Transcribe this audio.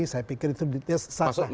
saya pikir itu sasar